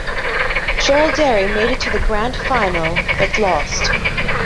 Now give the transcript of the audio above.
Jerilderie made it to the grand final but lost.